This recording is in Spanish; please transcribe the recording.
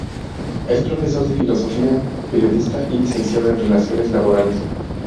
Es profesor de filosofía, periodista y Licenciado en Relaciones Laborales.